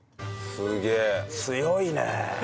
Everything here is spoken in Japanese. すげえ強いねえ。